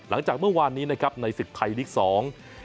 หลังจากเมื่อวานนี้ในศึกไทยลิกสอง